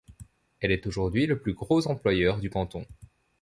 Elle est aujourd'hui le plus gros employeur du canton.